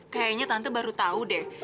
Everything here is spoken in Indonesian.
kayaknya tante baru tahu deh